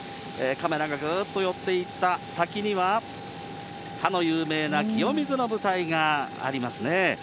カメラがぐーっと寄っていった先には、かの有名な清水の舞台がありますね。